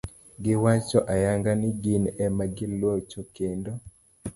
Giwacho ayanga ni gin ema gilocho, kendo